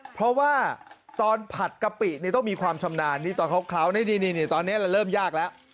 เพราะว่าตอนผัดกะปิต้องมีความชำนาญนี่ตอนเขาเคล้านี่ตอนนี้เราเริ่มยากแล้ว